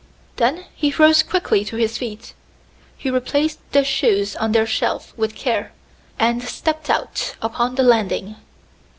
Then he rose quickly to his feet. He replaced the shoes on their shelf with care, and stepped out upon the landing.